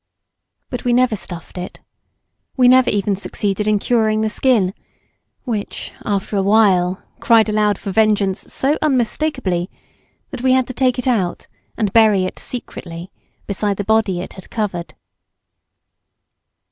But we never stuffed it. We never even succeeded in curing the skin, which after awhile cried aloud for vengeance so unmistakably that we had to take it out and bury it secretly beside the body it had covered.